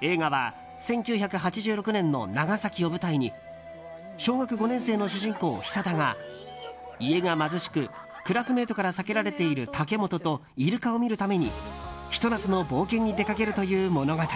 映画は１９８６年の長崎を舞台に小学５年生の主人公・久田が家が貧しくクラスメートから避けられている竹本とイルカを見るためにひと夏の冒険に出かけるという物語だ。